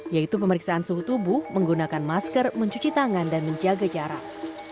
yaitu pemeriksaan suhu tubuh menggunakan masker mencuci tangan dan menjaga jarak